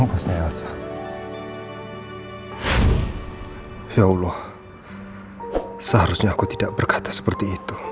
masih nyimpen perasaan sama andi